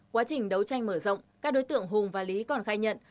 quá trình đấu tranh mở rộng các đối tượng hùng và lý còn khai nhận